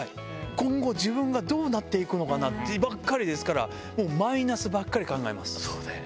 今後、自分がどうなっていくのかなってばっかりですから、もうマイナスそうだよね。